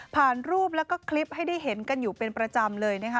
รูปแล้วก็คลิปให้ได้เห็นกันอยู่เป็นประจำเลยนะคะ